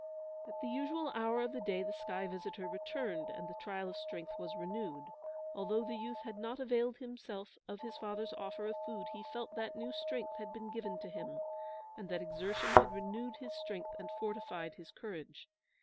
At the usual hour of the day the sky visitor returned, and the trial of strength was renewed. Although the youth had not availed himself of his father's offer of food, he felt that new strength had been given to him, and that exertion had renewed his strength and fortified his courage.